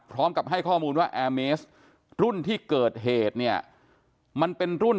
พร้อมกับให้ข้อมูลว่าแอร์เมสรุ่นที่เกิดเหตุเนี่ยมันเป็นรุ่น